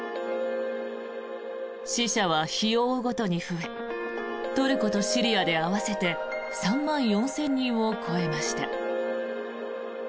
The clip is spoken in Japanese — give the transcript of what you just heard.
死者は日を追うごとに増えトルコとシリアで合わせて３万４０００人を超えました。